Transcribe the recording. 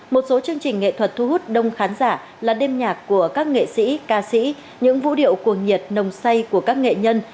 một số chương trình nghệ thuật thu hút đông khán giả là đêm nhạc của các nghệ sĩ ca sĩ những vũ điệu cuồng nhiệt nồng say của các nghệ nhân